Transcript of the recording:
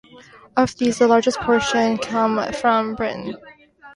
Of these, the largest portion come from Britain.